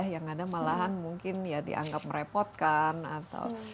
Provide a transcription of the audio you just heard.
yang ada malahan mungkin ya dianggap merepotkan atau